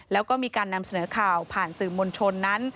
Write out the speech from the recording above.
แล้วก็มีการนำเสนอข่าวผ่านสื่อมวลชนนั้น